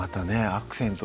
アクセント